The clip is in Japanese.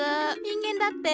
人間だって。